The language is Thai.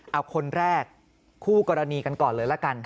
เอาคนแรกคู่กรณีกันก่อนเลยละกัน